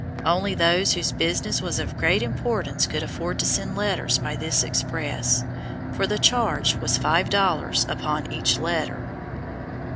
Only those whose business was of great importance could afford to send letters by this express, for the charge was five dollars upon each letter.